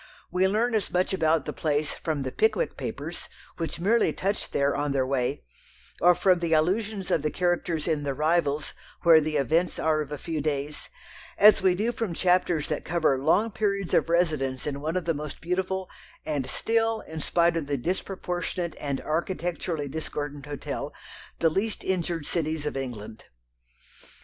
We learn as much about the place from the Pickwick Papers, which merely touch there on their way, or from the allusions of the characters in The Rivals, where the events are of a few days, as we do from chapters that cover long periods of residence in one of the most beautiful, and still, in spite of the disproportionate and architecturally discordant hotel, the least injured cities of England.